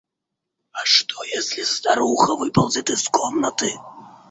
А что если старуха выползет из комнаты?